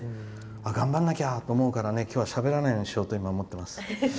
頑張らなきゃと思うから今日はしゃべらないようにしようと思っています。